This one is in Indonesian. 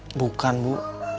hai bukan bu